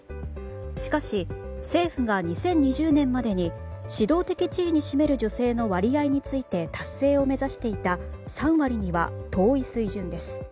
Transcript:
しかし、政府が２０２０年までに指導的地位に占める女性の割合について達成を目指していた３割には遠い水準です。